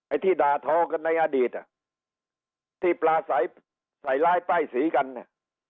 ไอ้ที่ด่าท้อกันในอดีตอ่ะที่ปลาใส่ใส่ลายป้ายสีกันอ่ะ